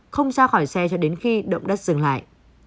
không ra khỏi xe cho đến khi động đất dừng lại